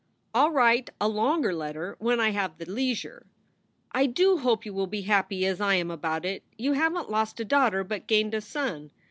I ll write a longer letter when I have the liesure. I do hope you will be happy as I am about it. You havent lost a daughter but gained a son.